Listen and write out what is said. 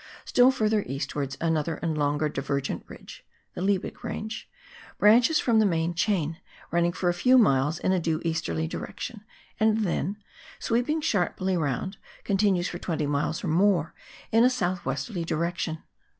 Still further eastwards another and longer divergent ridge — the Liebig Range — branches from the main chain, running for a few miles in a due easterly direction, and then, sweeping sharply round, continues for twenty miles or more in a south westerly direction.